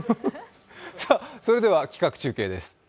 それでは企画中継です。